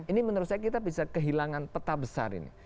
ini menurut saya kita bisa kehilangan peta besar ini